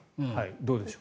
どうでしょう。